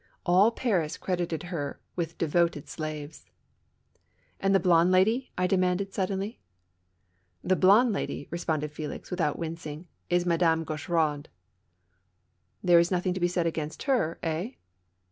All Paris credited her with devoted slaves. " And the blonde lady? " I demanded, suddenly. " The blonde lady," responded Felix, without wincing, " is Madame Gaucheraud." " There is nothing to be said against her, eh